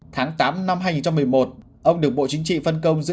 tháng tám năm hai nghìn một mươi một ông được bộ chính trị phân công giữ